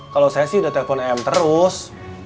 kalau saya sih udah telepon em terus